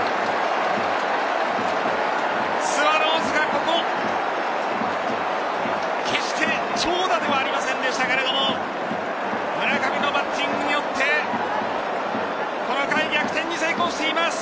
スワローズが決して長打ではありませんでしたが村上のバッティングによってこの回、逆転に成功しています。